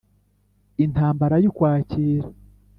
intambara y' ukwakira